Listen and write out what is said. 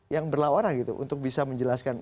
yang berlawanan gitu untuk bisa menjelaskan